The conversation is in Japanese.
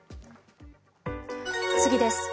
次です。